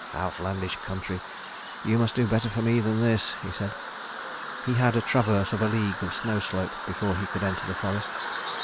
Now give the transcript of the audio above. "Outlandish country, you must do better for me than this," he said. He had a traverse of a league of snow slope before he could enter the forest.